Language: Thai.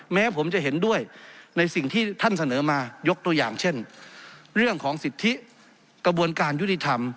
แม้ผมจะเห็นด้วยในสิ่งที่ท่านเสนอมายกตัวอย่างเช่นเรื่องของสิทธิกระบวนการยุติธรรม